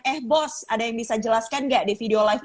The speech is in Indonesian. eh bos ada yang bisa jelaskan nggak di video live